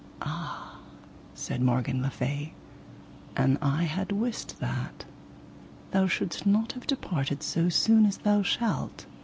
Ah, said Morgan le Fay, an I had wist that, thou shouldst not have departed so soon as thou shalt.